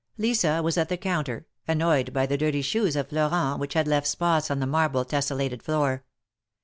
Lisa was at the counter, annoyed by the dirty shoes of Florent, which had left spots on the marble tessellated floor.